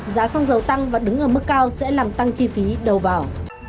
giá xăng dầu tăng và đứng ở mức cao sẽ làm tăng chi phí đầu vào